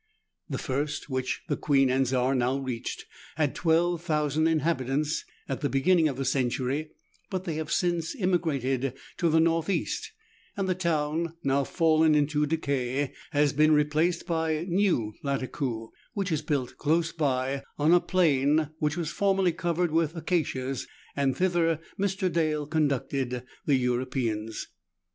The first, which the " Queen and Czar" now reached, had 12,000 inhabitants at the beginning of the century, but they have since emigrated to the north east, and the town, now fallen into decay, has been replaced by New Lattakoo, which is built close by, on a plain which was formerly covered with acacias, and thither Mr. Dale conducted the Europeans.